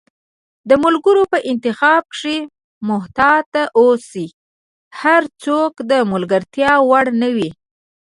د ملګرو په انتخاب کښي محتاط اوسی، هرڅوک د ملګرتیا وړ نه وي